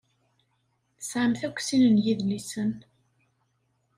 Tesɛamt akk sin n yidlisen.